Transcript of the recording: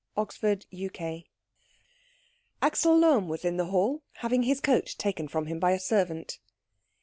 CHAPTER XVII Axel Lohm was in the hall, having his coat taken from him by a servant.